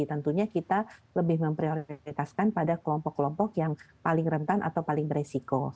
tentunya kita lebih memprioritaskan pada kelompok kelompok yang paling rentan atau paling beresiko